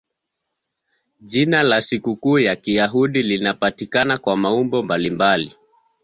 Jina la sikukuu ya Kiyahudi linapatikana kwa maumbo mbalimbali.